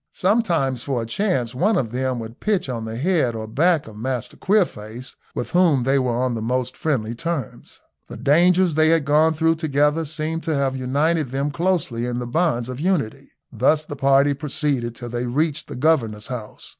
Sometimes for a change one of them would pitch on the head or back of Master Queerface, with whom they were on the most friendly terms. The dangers they had gone through together seemed to have united them closely in the bonds of unity. Thus the party proceeded till they reached the governor's house.